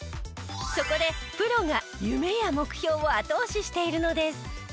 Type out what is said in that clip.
そこでプロが夢や目標を後押ししているのです。